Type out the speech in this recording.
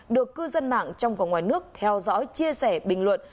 được cư dân mạng trong và ngoài nước theo dõi chia sẻ bình luận